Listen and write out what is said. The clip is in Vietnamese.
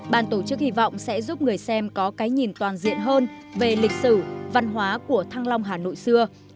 ban tổ chức hy vọng sẽ giúp người xem có cái nhìn toàn diện hơn về lịch sử văn hóa của thăng long hà nội xưa